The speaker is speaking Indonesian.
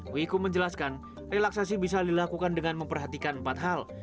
wiku menjelaskan relaksasi bisa dilakukan dengan memperhatikan empat hal